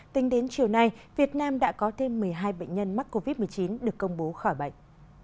tính đến chiều nay việt nam đã có thêm một mươi hai bệnh nhân mắc covid một mươi chín được công bố khỏi bệnh